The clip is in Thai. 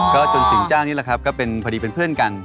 ก็จนจนจ้านี้ละครับก็พอดีเป็นเพื่อนกัน